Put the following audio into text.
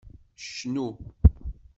Cnu.